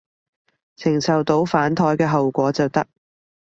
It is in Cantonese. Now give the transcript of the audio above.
承受到反枱嘅後果就得